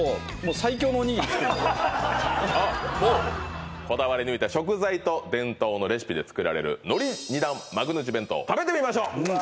最強のおにぎり作るこだわり抜いた食材と伝統のレシピで作られるのり２段幕の内弁当食べてみましょう